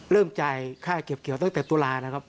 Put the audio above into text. เริ่มจ่ายค่าเกี่ยวตั้งแต่ตัวลานะครับ